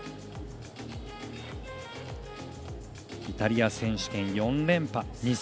イタリア選手権、４連覇。